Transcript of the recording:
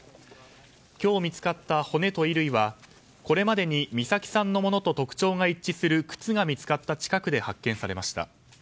今日見つかった骨と衣類はこれまでに美咲さんのものと特徴が一致する靴が見つかった近くで発見されました。